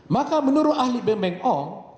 maka menurut ahli bengbeng ong